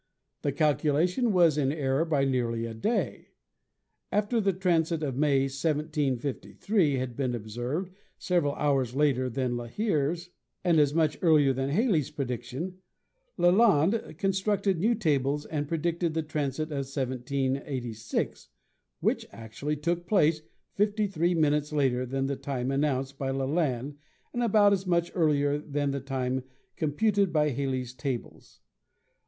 The calculation was in error by nearly a day. After the transit of May, 1753, had been observed several hours later than La Hire's and as much earlier than Halley's prediction, Lalande constructed new tables, and predicted the transit of 1786, which actually took place fifty three minutes later than the time announced by Lalande and about as much earlier than the time com puted by Halley's tables.